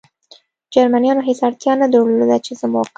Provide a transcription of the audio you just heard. جرمنیانو هېڅ اړتیا نه درلوده، چې زموږ.